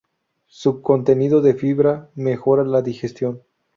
Su contenido de fibra mejora la digestión.